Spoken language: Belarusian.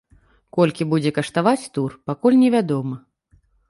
Колькі будзе каштаваць тур, пакуль невядома.